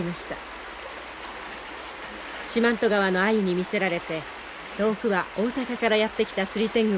四万十川のアユに魅せられて遠くは大阪からやって来た釣り天狗もいます。